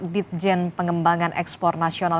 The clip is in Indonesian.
ditjen pengembangan ekspor nasional